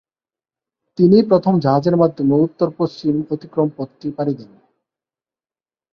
তিনিই প্রথম জাহাজের মাধ্যমে উত্তর-পশ্চিম অতিক্রম পথটি পাড়ি দেন।